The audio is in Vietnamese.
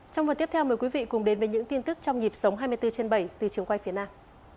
trong phần tiếp theo mời quý vị cùng đến với những tin tức trong nhịp sống hai mươi bốn trên bảy từ trường quay phía nam